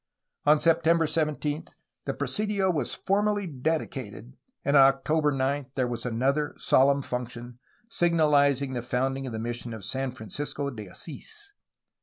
On September 17 the presidio was formally dedicated, and on October 9 there was another solemn function, signal izing the founding of the mission San Francisco de Asls.